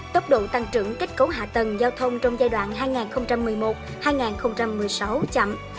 tốc độ tăng trưởng kết cấu hạ tầng giao thông trong giai đoạn hai nghìn một mươi một hai nghìn một mươi sáu chậm